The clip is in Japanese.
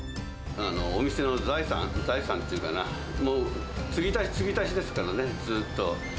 お店の財産、財産っていうかな、もう継ぎ足し、継ぎ足しですからね、ずっと。